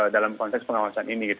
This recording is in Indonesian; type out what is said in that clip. dalam konteks pengawasan ini